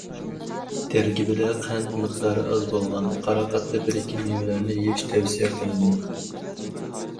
تەركىبىدە قەنت مىقدارى ئاز بولغان، قاراقات تىپىدىكى مىۋىلەرنى يىيىش تەۋسىيە قىلىنىدۇ.